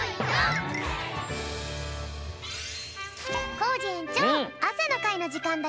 コージえんちょうあさのかいのじかんだよ！